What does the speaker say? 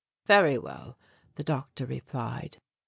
"Very well," the doctor replied.